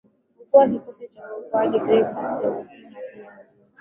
mkuu wa kikosi cha uokoaji grek hais amesema hakuna yeyote